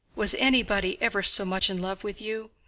Was anybody ever so much in love with you?